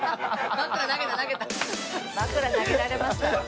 枕投げられました。